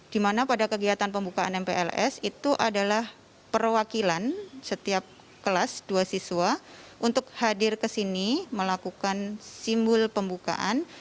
di mana pada kegiatan pembukaan mpls itu adalah perwakilan setiap kelas dua siswa untuk hadir ke sini melakukan simbol pembukaan